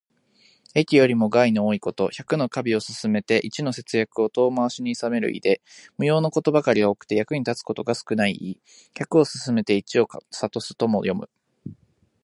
益よりも害の多いこと。百の華美を勧めて一の節約を遠回しにいさめる意で、無用のことばかり多くて、役に立つことが少ない意。「百を勧めて一を諷す」とも読む。